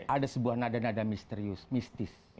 ada sebuah nada nada misterius mistis